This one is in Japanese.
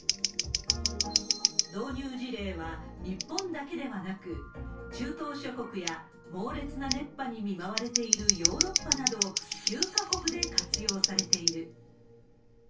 導入事例は日本だけではなく、中東諸国や、猛烈な熱波に見舞われているヨーロッパなど、９か国で活用されている。